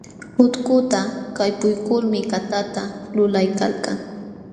Utkuta kaypuykulmi katata lulaykalkan.